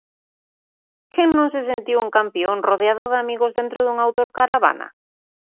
Quen non se sentiu un campión rodeado de amigos dentro dunha autocaravana?